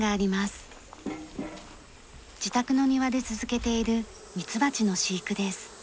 自宅の庭で続けているミツバチの飼育です。